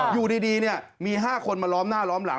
อยู่ดีดีเนี้ยมีห้าคนมาล้อมหน้าล้อมหลัง